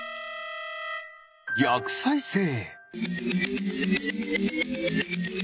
ぎゃくさいせい！